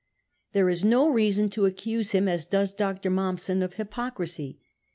There is no reason to accuse him, as does Dr. Mommsen, of hypocrisy.